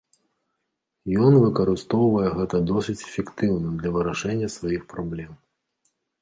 Ён выкарыстоўвае гэта досыць эфектыўна для вырашэння сваіх праблем.